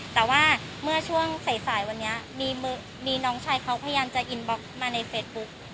แต่ว่าเมื่อช่วงสายวันนี้มีน้องชายเขาพยายามจะอินบล็อกมาในเฟซบุ๊ก